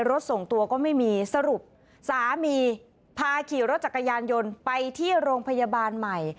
ส่งตัวก็ไม่มีสรุปสามีพาขี่รถจักรยานยนต์ไปที่โรงพยาบาลใหม่